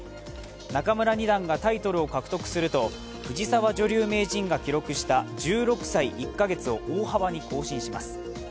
仲邑二段がタイトルを獲得すると藤沢女流名人が記録した１６歳１カ月を大幅に更新します。